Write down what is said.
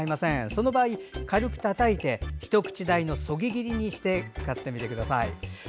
その場合、軽くたたいて一口大のそぎ切りにして使ってください。